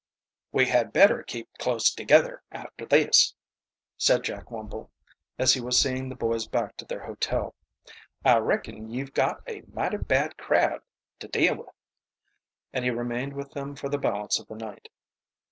"We had better keep close together after this," said Jack Wumble, as he was seeing the boys back to their hotel. "I reckon you've got a mighty bad crowd to deal with." And he remained with them for the balance of the night.